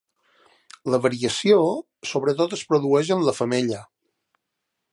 La variació sobretot es produeix en la femella.